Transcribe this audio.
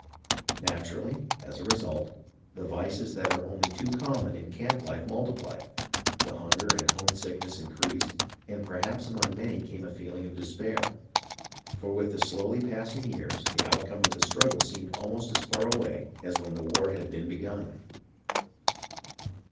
Natu rally, as a result, the vices that are only too common in camp life multiplied, the hunger and homesickness in creased, and perhaps among many came a feeling of despair ; for with the slowly passing years the outcome of the strug gle seemed almost as far away as when the war had been begun.